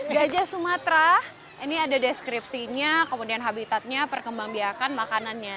gajah sumatera ini ada deskripsinya kemudian habitatnya perkembang biakan makanannya